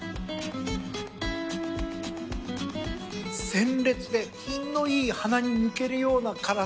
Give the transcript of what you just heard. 鮮烈で品のいい鼻に抜けるような辛さ。